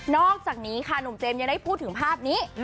อกจากนี้ค่ะหนุ่มเจมส์ยังได้พูดถึงภาพนี้